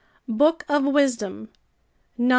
Book of Wisdom, ix.